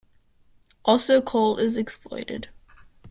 Also coal is exploited.